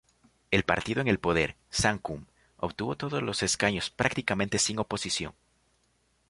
El partido en el poder, Sangkum, obtuvo todos los escaños prácticamente sin oposición.